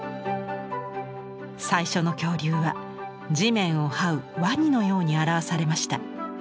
最初の恐竜は地面をはうワニのように表されました。